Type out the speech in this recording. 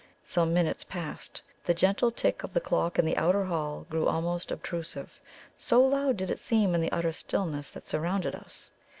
Some minutes passed. The gentle tick of the clock in the outer hall grew almost obtrusive, so loud did it seem in the utter stillness that surrounded us.